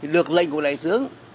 được lệnh của đại tướng